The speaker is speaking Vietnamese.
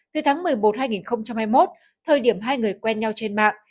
từ tháng một mươi một hai nghìn hai mươi một thời điểm hai người quen nhau trên mạng